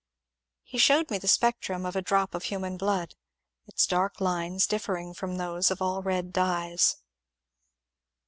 He showed me the spectrum of a drop of human blood, its dark lines diiSering from those of all red dyes.